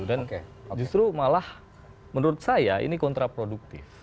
dan justru malah menurut saya ini kontraproduktif